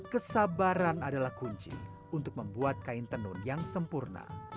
kesabaran adalah kunci untuk membuat kain tenun yang sempurna